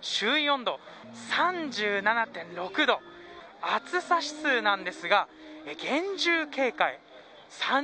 周囲温度３７．６度暑さ指数なんですが厳重警戒３０．２